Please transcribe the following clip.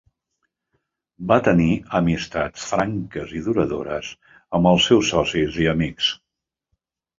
Va tenir amistats franques i duradores amb els seus socis i amics.